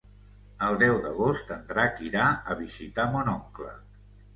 El deu d'agost en Drac irà a visitar mon oncle.